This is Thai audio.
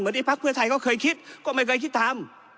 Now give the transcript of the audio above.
เหมือนไอภาคเผื่อธัยก็เคยคิดก็ไม่เคยคิดทำ